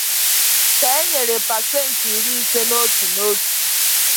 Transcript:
ka e nyèrè pasentị iri ise n'ótù n'ótù